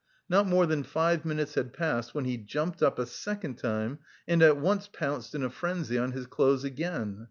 Not more than five minutes had passed when he jumped up a second time, and at once pounced in a frenzy on his clothes again.